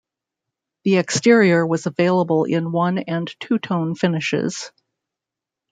The exterior was available in one and two-tone finishes.